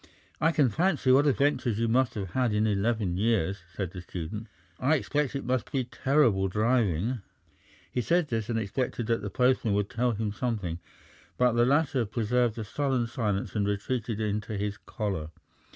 "I can fancy what adventures you must have had in eleven years!" said the student. "I expect it must be terrible driving?" He said this and expected that the postman would tell him something, but the latter preserved a sullen silence and retreated into his collar.